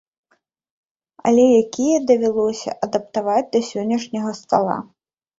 Але якія давялося адаптаваць да сённяшняга стала.